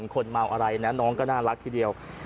คนเมาอะไรนะน้องก็น่ารักทีเดียว